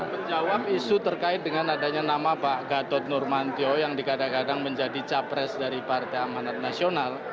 menjawab isu terkait dengan adanya nama pak gatot nurmantio yang dikadang kadang menjadi capres dari partai amanat nasional